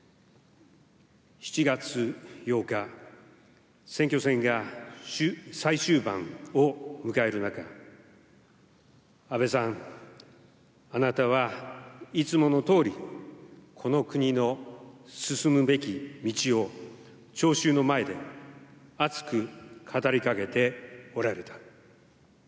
７月８日、選挙戦が最終盤を迎える中、安倍さん、あなたはいつものとおり、この国の進むべき道を聴衆の前で熱く語りかけておられた。